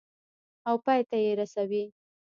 او پای ته یې رسوي.